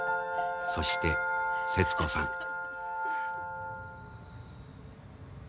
そして節子さん。